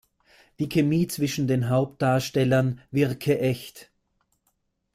Die Chemie zwischen den Hauptdarstellern wirke echt.